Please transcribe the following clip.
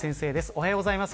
おはようございます。